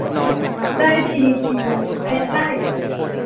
ได้ทีขี่แพะไล่